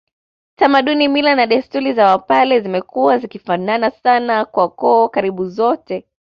Tamaduni mila na desturi za wapare zimekuwa zikifanana sana kwa koo karibu zote